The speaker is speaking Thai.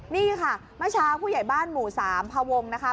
นี่ค่ะเมื่อเช้าผู้ใหญ่บ้านหมู่สามพวงนะคะ